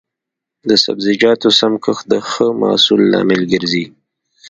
د سبزیجاتو سم کښت د ښه محصول لامل ګرځي.